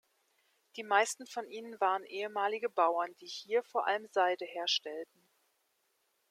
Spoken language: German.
Die meisten von ihnen waren ehemalige Bauern, die hier vor allem Seide herstellten.